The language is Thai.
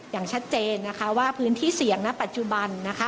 อย่างชัดเจนนะคะว่าพื้นที่เสี่ยงณปัจจุบันนะคะ